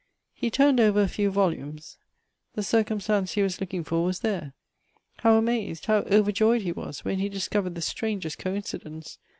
He turned over a few volumes. The cir cumstance he was looking for was there. How amazed, how overjoyed he was, when he discovered the strangest coincidence